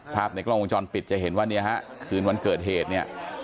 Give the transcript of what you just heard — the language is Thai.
ภาพในกล้องวงจรปิดจะเห็นว่าเนี่ยฮะคืนวันเกิดเหตุเนี่ย